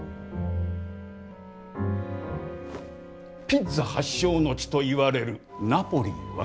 ピッツァ発祥の地といわれるナポリは？